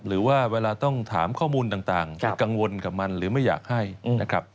หรือว่าเวลาต้องถามข้อมูลต่างไปกังวลกับมันหรือไม่อยากให้นะครับ